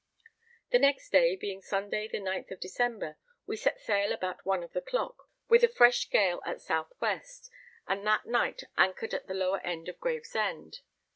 The next day, being Sunday the 9th December, we set sail about one of the clock, with a fresh gale at south west, and that night anchored at the lower end of Gravesend.